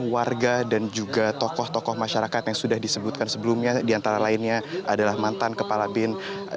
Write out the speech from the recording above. warga dan juga tokoh tokoh masyarakat yang sudah disebutkan sebelumnya diantara lainnya adalah mantan kepala bin